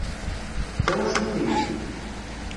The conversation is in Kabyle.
D tawacult-ik?